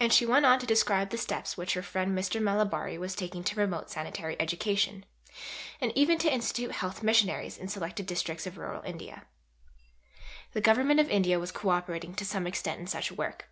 And she went on to describe the steps which her friend Mr. Malabari was taking to promote sanitary education, and even to institute Health Missionaries, in selected districts of Rural India. The Government of India was co operating to some extent in such work.